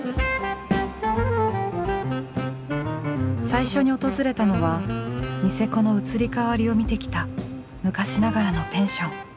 最初に訪れたのはニセコの移り変わりを見てきた昔ながらのペンション。